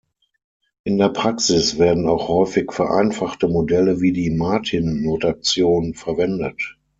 In der Praxis werden auch häufig vereinfachte Modelle wie die Martin-Notation verwendet.